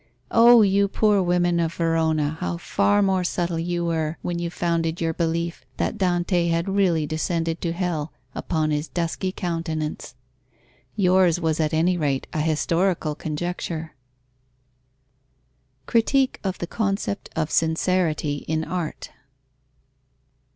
O you poor women of Verona, how far more subtle you were, when you founded your belief that Dante had really descended to hell, upon his dusky countenance! Yours was at any rate a historical conjecture. _Critique of the concept of sincerity in art.